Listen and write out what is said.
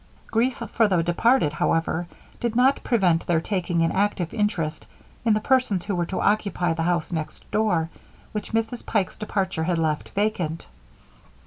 Grief for the departed, however, did not prevent their taking an active interest in the persons who were to occupy the house next door, which Mrs. Pike's departure had left vacant.